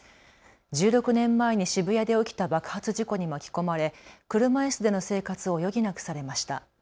１６年前に渋谷で起きた爆発事故に巻き込まれ車いすでの生活を余儀なくされました。